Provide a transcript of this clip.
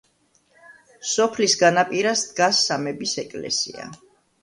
სოფლის განაპირას დგას სამების ეკლესია.